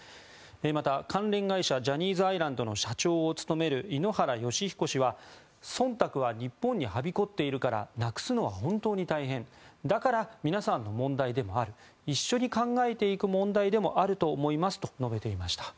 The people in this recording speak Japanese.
また、関連会社ジャニーズアイランドの社長を務める井ノ原快彦氏はそんたくは日本にはびこっているからなくすのは本当に大変だから、皆さんの問題でもある一緒に考えていく問題でもあると思いますと述べていました。